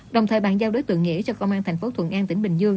đồng thời bàn giao đối tượng nghĩa cho công an thành phố thuận an tỉnh bình dương